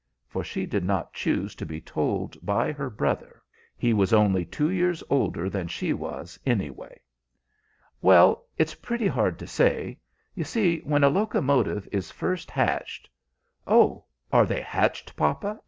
for she did not choose to be told by her brother; he was only two years older than she was, anyway. "Well; it's pretty hard to say. You see, when a locomotive is first hatched " "Oh, are they hatched, papa?"